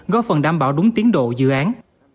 góp phần đảm bảo đúng tiến độ dự án